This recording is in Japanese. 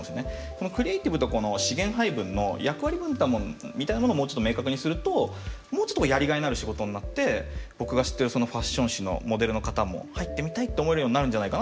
このクリエイティブとこの資源配分の役割分担みたいなものをもうちょっと明確にするともうちょっとやりがいのある仕事になって僕が知ってるそのファッション誌のモデルの方も入ってみたいって思えるようになるんじゃないかなと思うんですよね。